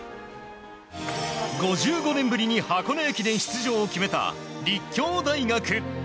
５５年ぶりに箱根駅伝出場を決めた立教大学。